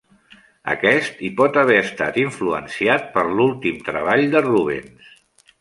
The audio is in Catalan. Aquest hi pot haver estat influenciat per l'últim treball de Rubens.